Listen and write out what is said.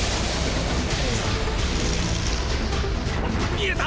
見えた！！